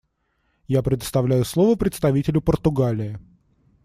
Я предоставляю слово представителю Португалии.